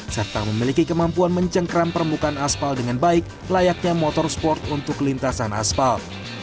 serta memiliki kemampuan mencengkram permukaan aspal dengan baik layaknya motorsport untuk lintasan aspal